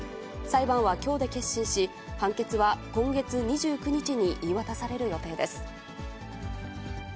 裁判はきょうで結審し、判決は今月２９日に言い渡される予定です。